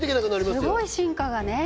すごい進化がね